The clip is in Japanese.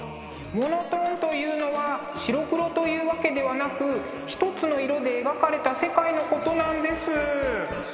モノトーンというのは白黒というわけではなくひとつの色で描かれた世界のことなんです。